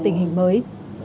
tình hình mới